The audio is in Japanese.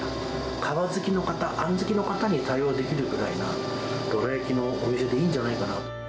皮好きの方、あん好きの方に対応できるぐらいな、どら焼きのお店でいいんじゃないかな。